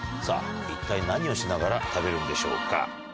さぁ一体何をしながら食べるんでしょうか？